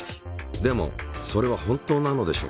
でもそれは本当なのでしょうか。